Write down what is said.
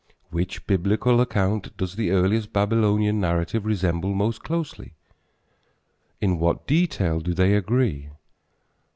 Which Biblical account does the earliest Babylonian narrative resemble most closely? In what details do they agree?